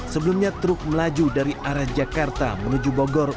sebelumnya truk melaju dari arah jakarta menuju bogor